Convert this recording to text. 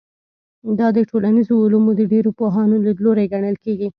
دا د ټولنیزو علومو د ډېرو پوهانو لیدلوری ګڼل کېږي.